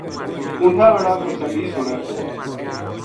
اونٹھاں ہاڑا کو سنگی سُنے تھو